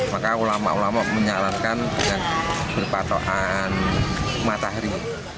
maka ulama ulama menyalankan dengan berpatokan matahari